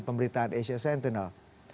pemberitaan asia sentinel